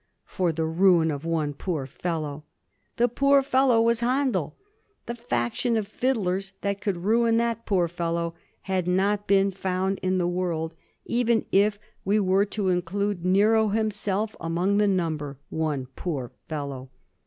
For the ruin of one poor fellow! The poor fellow was Handel. The fac tion of fiddlers that could ruin that poor fellow had not been found in the world, even if we were to include Nero himself among the number. One poor fellow!